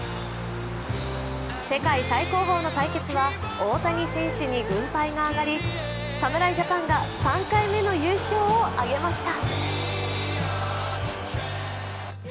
世界最高峰の対決は大谷選手に軍配が上がり、侍ジャパンが３回目の優勝を挙げました。